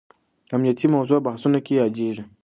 امنیتي موضوع بحثونو کې یادېږي.